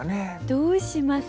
どうします？